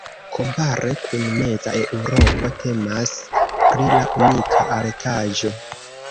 Kompare kun meza Eŭropo temas pri la unika artaĵo.